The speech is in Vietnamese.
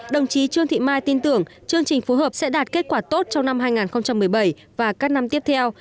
đồng chí trương thị mai tin tưởng chương trình phù hợp sẽ đạt kết quả tốt trong năm hai nghìn một mươi bảy và các năm tiếp theo